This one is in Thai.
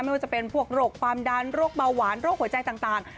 ไม่ว่าจะเป็นพวกโรคความดันโรคเบาหวานโรคหัวใจต่าง